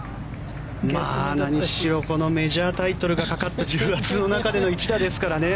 何しろメジャータイトルがかかった重圧の中での一打ですからね。